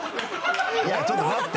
いやちょっと待って。